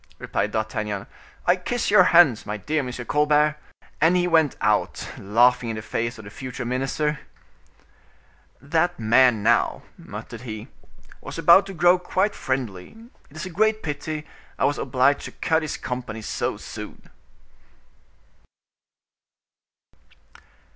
replied D'Artagnan. "I kiss your hands, my dear M. Colbert." And he went out, laughing in the face of the future minister. "That man, now," muttered he, "was about to grow quite friendly; it is a great pity I was obliged to cut his company so soon."